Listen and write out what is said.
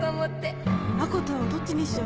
赤と青どっちにしよう？